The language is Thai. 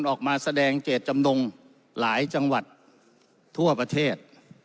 ออกมาแสดงเจตจำนงหลายจังหวัดทั่วประเทศ